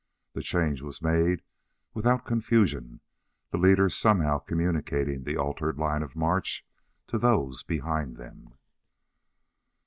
The change was made without confusion, the leaders somehow communicating the altered line of march to those behind them.